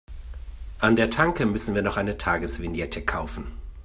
An der Tanke müssen wir noch eine Tagesvignette kaufen.